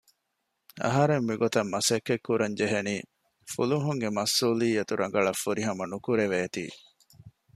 އަހަރެން މިގޮތަށް މަސައްކަތް ކުރަން ޖެހެނީ ފުލުހުންގެ މަސްއޫލިއްޔަތު ރަނގަޅަށް ފުރިހަމަ ނުކުރެވޭތީ